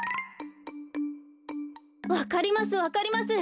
わかりますわかります。